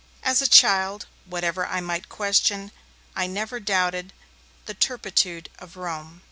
As a child, whatever I might question, I never doubted the turpitude of Rome.